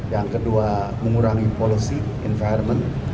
yang kedua mengurangi policy environment